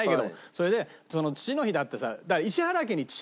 それで父の日だってさ。